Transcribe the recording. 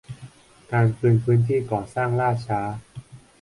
การคืนพื้นที่ก่อสร้างล่าช้า